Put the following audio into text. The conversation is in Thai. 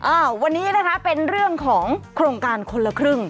อ่าวันนี้นะคะเป็นเรื่องของโครงการคนละครึ่ง